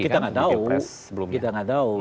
kita tidak tahu